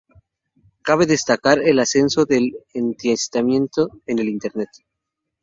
Cabe destacar el ascenso del antisemitismo en el internet.